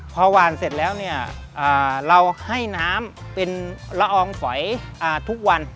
พอหวานเสร็จแล้วเนี่ยเราให้น้ำเป็นละอองฝอยทุกวัน